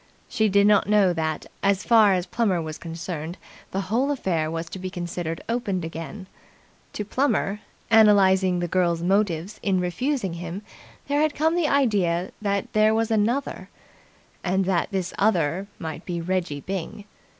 She did not know that, as far as Plummer was concerned, the whole affair was to be considered opened again. To Plummer, analysing the girl's motives in refusing him, there had come the idea that there was Another, and that this other must be Reggie Byng.